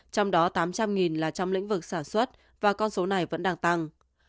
trong đó tám trăm linh là trong lĩnh vực sản xuất và con số này vẫn đang tăng